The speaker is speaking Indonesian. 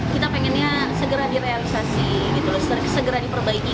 kita pengennya segera direalisasi segera diperbaiki